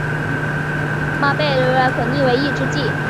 吗氯贝胺药物的可逆抑制剂。